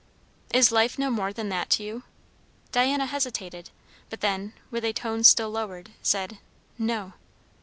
"Is life no more than that to you?" Diana hesitated, but then, with a tone still lowered, said, "No."